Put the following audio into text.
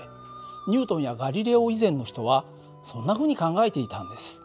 ニュートンやガリレオ以前の人はそんなふうに考えていたんです。